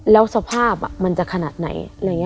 แล้วสภาพมันจะขนาดไหน